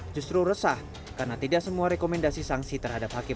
justru resah karena tidak semua rekomendasi sanksi terhadap hakim